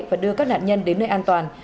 và đưa các nạn nhân đến nơi an toàn